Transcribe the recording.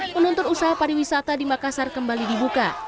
menuntut usaha pariwisata di makassar kembali dibuka